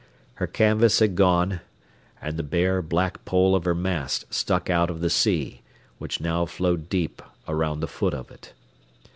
Her canvas had gone, and the bare black pole of her mast stuck out of the sea, which now flowed deep around the foot of it.